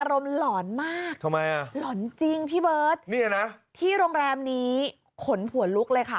อารมณ์หลอนมากหลอนจริงพี่เบิร์ดที่โรงแรมนี้ขนหัวลุ้กเลยค่ะ